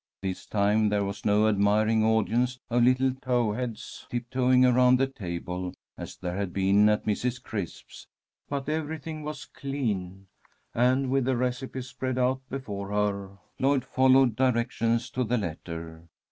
This time there was no admiring audience of little towheads tiptoeing around the table, as there had been at Mrs. Crisp's. But everything was clean, and, with her recipe spread out before her, Lloyd followed directions to the letter.